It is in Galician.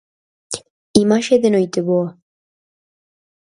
Imaxe de 'Noiteboa'.